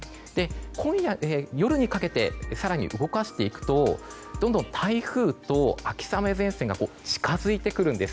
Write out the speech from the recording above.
今夜、夜にかけて更に動かしていくとどんどん台風と秋雨前線が近づいてくるんです。